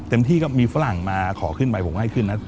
ที่ก็มีฝรั่งมาขอขึ้นไปผมก็ให้ขึ้นนะ